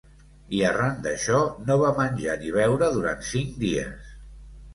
I arran d’això, no va menjar ni beure durant cinc dies.